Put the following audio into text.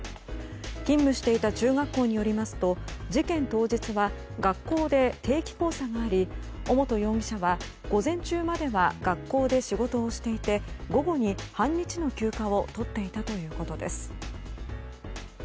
勤務していた中学校によりますと事件当日は学校で定期考査があり尾本容疑者は、午前中までは学校で仕事をしていて午後に半日の休暇をとっていたということです。